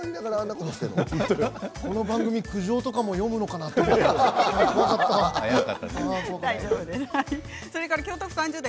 この番組、苦情とかも読むのかなと思った、よかった。